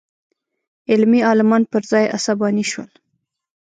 علمي عالمان پر ځای عصباني شول.